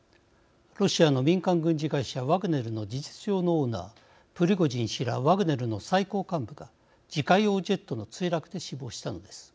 ロシアの民間軍事会社ワグネルの事実上のオーナープリゴジン氏らワグネルの最高幹部が自家用ジェットの墜落で死亡したのです。